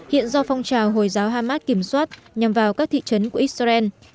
hiện do phong trào hồi giáo hamas kiểm soát nhằm vào các thị trấn của israel